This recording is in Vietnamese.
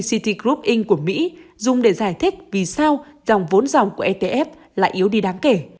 ct grouping của mỹ dùng để giải thích vì sao dòng vốn dòng của etf lại yếu đi đáng kể